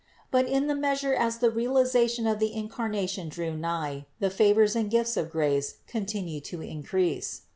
But in the measure as the realization of the Incarnation drew nigh, the favors and gifts of grace con tinued to increase.